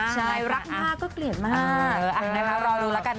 ขนาดรักมากก็เกลียดมาก